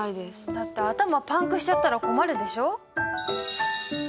だって頭パンクしちゃったら困るでしょ。